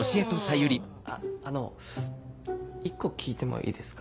ああの１個聞いてもいいですか？